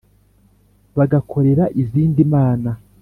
bagakorera izindi mana,